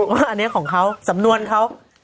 ว่าอันนี้ของเขาสำนวนเขา